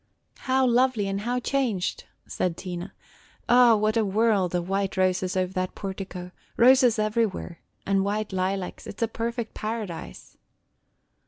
"How lovely and how changed!" said Tina. "O, what a world of white roses over that portico, – roses everywhere, and white lilacs. It is a perfect paradise!"